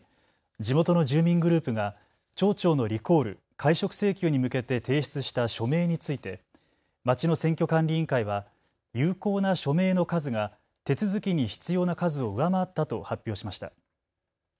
地元の住民グループが町長のリコール・解職請求に向けて提出した署名について町の選挙管理委員会は有効な署名の数が手続きに必要な数を上回ったと発表しました。